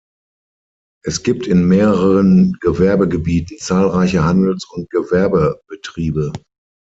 Es gibt in mehreren Gewerbegebieten zahlreiche Handels- und Gewerbebetriebe.